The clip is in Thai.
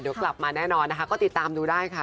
เดี๋ยวกลับมาแน่นอนนะคะก็ติดตามดูได้ค่ะ